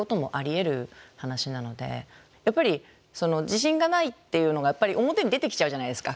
やっぱり自信がないっていうのが表に出てきちゃうじゃないですか。